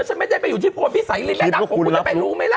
ฉันไม่ได้ไปอยู่ที่พลพิสัยรินแม่ดำของคุณจะไปรู้ไหมล่ะ